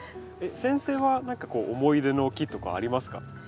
先生は何かこう思い出の木とかありますか？